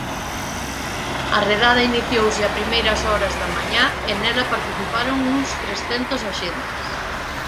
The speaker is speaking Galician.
A redada iniciouse a primeiras horas da mañá e nela participaron uns trescentos axentes.